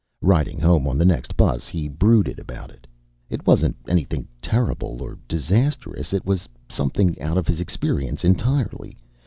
Riding home on the next bus, he brooded about it. It wasn't anything terrible or disastrous; it was something out of his experience entirely.